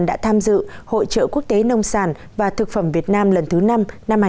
đã tham dự hội trợ quốc tế nông sản và thực phẩm việt nam lần thứ năm năm hai nghìn hai mươi